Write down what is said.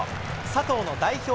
佐藤の代表